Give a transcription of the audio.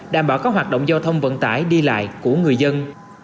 đảm bảo các hoạt động giao thông vận tải đi lại của người dân